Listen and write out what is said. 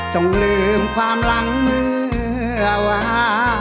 จงลืมความหลังเมื่อวา